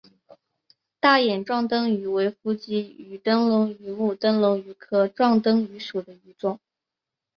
大眼壮灯鱼为辐鳍鱼纲灯笼鱼目灯笼鱼科壮灯鱼属的鱼类。